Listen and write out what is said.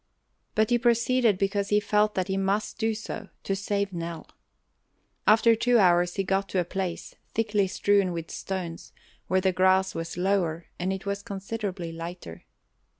But he proceeded because he felt that he must do so, to save Nell. After two hours he got to a place, thickly strewn with stones, where the grass was lower and it was considerably lighter.